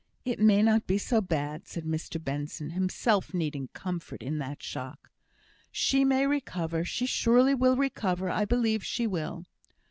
"It may not be so bad," said Mr Benson, himself needing comfort in that shock. "She may recover. She surely will recover. I believe she will."